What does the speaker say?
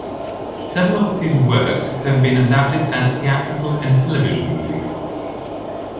Several of his works have been adapted as theatrical and television movies.